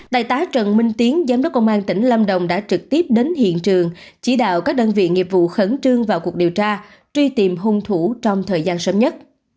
đại tá trần minh tiến giám đốc công an tỉnh lâm đồng đã trực tiếp đến hiện trường chỉ đạo các đơn vị nghiệp vụ khẩn trương vào cuộc điều tra truy tìm hung thủ trong thời gian sớm nhất